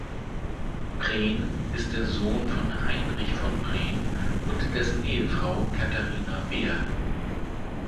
Preen ist der Sohn von Heinrich von Preen und dessen Ehefrau Catharina Behr.